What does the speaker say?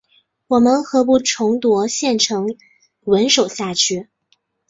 我们何不重夺县城稳守下去？